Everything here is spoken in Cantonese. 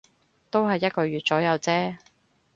都係一個月左右啫